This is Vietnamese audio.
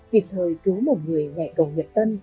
kịp thời cứu một người ngại cầu nguyệt tân